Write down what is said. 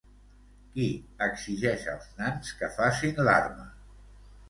Qui exigeix als nans que facin l'arma?